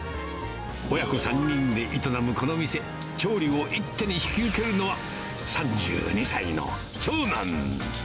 親子３人で営むこの店、調理を一手に引き受けるのは、３２歳の長男。